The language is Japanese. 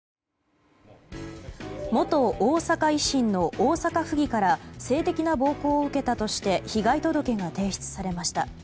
元大阪維新の大阪府議から性的な暴行を受けたとして被害届が提出されました。